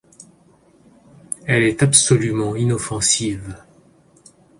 Elle est absolument inoffensive.